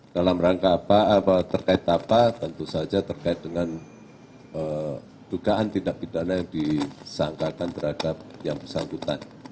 dalam rangka apa terkait apa tentu saja terkait dengan dugaan tindak pidana yang disangkakan terhadap yang bersangkutan